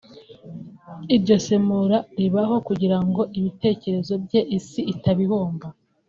iryo semura ribaho kugira ngo ibitekerezo bye isi itabihomba